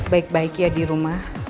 baik baik ya di rumah